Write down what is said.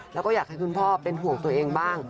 แล้วก็อยากให้คุณพ่อเป็นห่วงตัวเองบ้าง